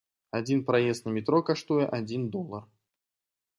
Адзін праезд на метро каштуе адзін долар.